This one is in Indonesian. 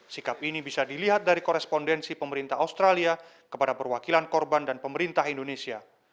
sikap ini bisa dilihat dari korespondensi pemerintah australia kepada perwakilan korban dan pemerintah indonesia